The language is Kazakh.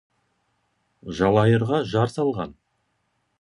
Жалайырға жар салған.